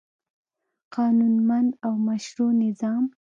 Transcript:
قانونمند او مشروع نظام